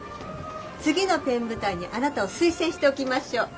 次のペン部隊にあなたを推薦しておきましょう。